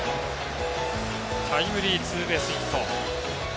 タイムリーツーベースヒット。